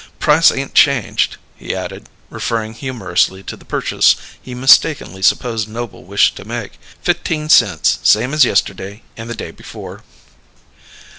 Price ain't changed," he added, referring humorously to the purchase he mistakenly supposed Noble wished to make. "F'teen cents, same as yesterday and the day before."